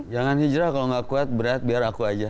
jangan hijrah kalau nggak kuat berat biar aku aja